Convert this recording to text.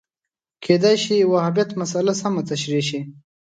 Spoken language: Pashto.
کېدای شو وهابیت مسأله سمه تشریح شي